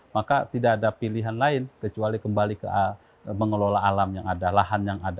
maka tidak ada pilihan lain kecuali kembali ke mengelola alam yang ada lahan yang ada